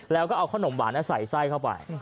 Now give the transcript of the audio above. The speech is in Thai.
แล้วก็เอาขนมหวานใส่ไส้เข้าไป